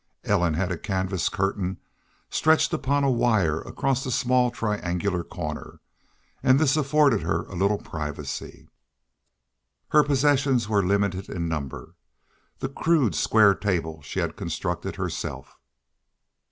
Ellen had a canvas curtain stretched upon a wire across a small triangular corner, and this afforded her a little privacy. Her possessions were limited in number. The crude square table she had constructed herself.